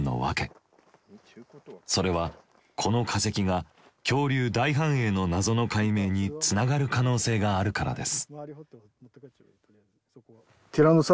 それはこの化石が恐竜大繁栄の謎の解明につながる可能性があるからです。